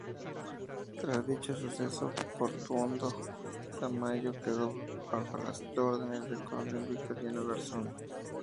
Tras dicho suceso, Portuondo Tamayo quedó bajo las órdenes del Coronel Victoriano Garzón.